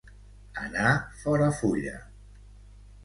Anar fora fulla.